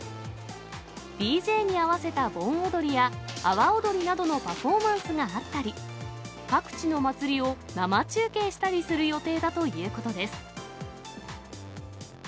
ＤＪに合わせた盆踊りや、阿波踊りなどのパフォーマンスがあったり、各地の祭りを生中継したりする予定だということです。